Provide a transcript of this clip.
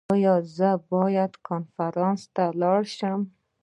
ایا زه باید کنفرانس ته لاړ شم؟